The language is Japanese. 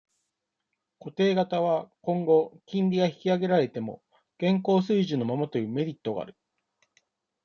固定型は、今後、金利が引き上げられても、現行水準のままというメリットがある。